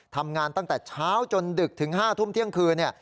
ทำงานตั้งแต่เช้าจนดึกถึง๕ทุ่มเที่ยงคืน